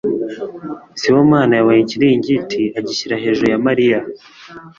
Sibomana yabonye ikiringiti agishyira hejuru ya Mariya.